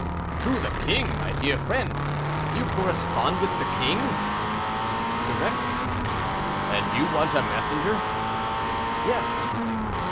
"To the king, my dear friend! You correspond with the king?" "Directly." "And you want a messenger?" "Yes."